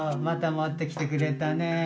またもってきてくれたね。